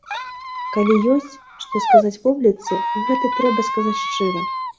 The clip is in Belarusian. Калі ёсць, што сказаць публіцы, гэта трэба сказаць шчыра.